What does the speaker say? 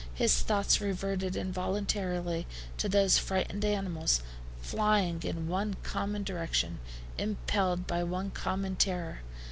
His thoughts reverted involuntarily to those frightened animals flying in one common direction, impelled by one common terror.